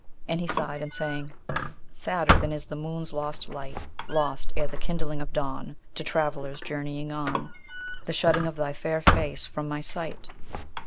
And he sighed, and sang: Sadder than is the moon's lost light, Lost ere the kindling of dawn, To travellers journeying on, The shutting of thy fair face from my sight.